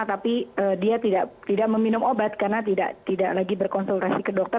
tapi dia tidak meminum obat karena tidak lagi berkonsultasi ke dokter